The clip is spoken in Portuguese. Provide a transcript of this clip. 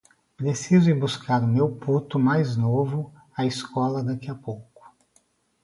Preciso ir buscar o meu puto mais novo à escola daqui a pouco.